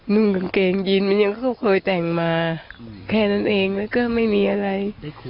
กางเกงยีนมันยังเขาเคยแต่งมาแค่นั้นเองแล้วก็ไม่มีอะไร